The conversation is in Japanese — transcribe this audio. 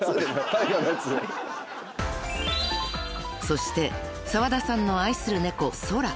［そして澤田さんの愛する猫そら］